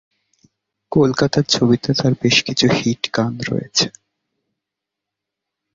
কলকাতার ছবিতে তার বেশকিছু হিট গান রয়েছে।